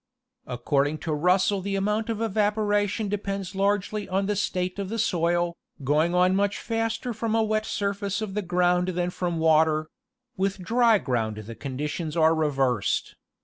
According to Russell the amount of evaporation depends largely on the state of the soil, going on much faster from a wet surface of the ground than from water; with dry ground the conditions are reversed.